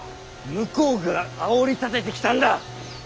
向こうがあおりたててきたんだ！